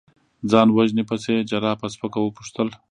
ځان وژنې پسې؟ جراح په سپکه وپوښتل.